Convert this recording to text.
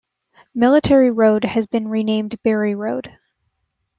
Military Road has been renamed Barry Road.